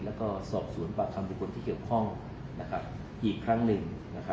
และสอบสวนปสำคัญผู้คนที่เกี่ยวข้องอีกครั้งหนึ่ง